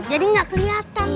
jadi gak keliatan